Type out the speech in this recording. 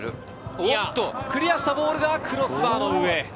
クリアしたボールがクロスバーの上。